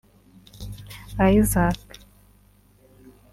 Isaac